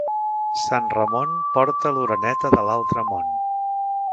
Sant Ramon porta l'oreneta de l'altre món.